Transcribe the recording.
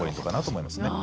思います